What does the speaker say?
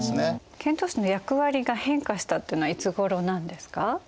遣唐使の役割が変化したっていうのはいつごろなんですか？